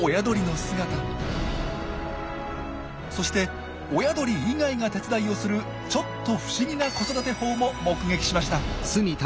そして親鳥以外が手伝いをするちょっと不思議な子育て法も目撃しました。